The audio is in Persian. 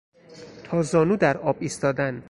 تا زانو در آب ایستادن